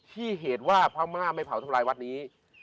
ที่เหตุว่าพระม่าไม่เผาทั้งกรุงศรีอยุธยาวัดนี้